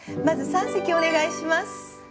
まず三席お願いします。